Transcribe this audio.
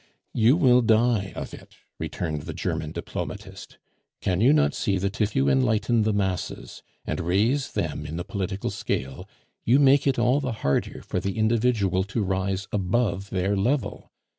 "You will die of it," returned the German diplomatist. "Can you not see that if you enlighten the masses, and raise them in the political scale, you make it all the harder for the individual to rise above their level?